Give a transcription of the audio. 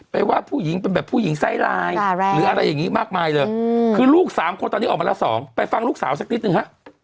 ว่าผู้หญิงเป็นแบบผู้หญิงไซลายหรืออะไรอย่างนี้มากมายเลยคือลูกสามคนตอนนี้ออกมาแล้ว๒ไปฟังลูกสาวสักนิดนึงฮะ